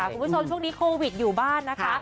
คุณผู้ชมช่วงนี้โควิดอยู่บ้านนะคะ